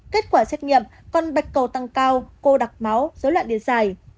kết quả xét nghiệm con bạch cầu tăng cao cô đặc máu dối loạn đi dài